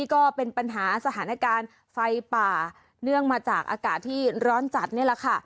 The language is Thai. การไฟป่าเนื่องมาจากอากาศที่ร้อนจัดนี่แหละค่ะ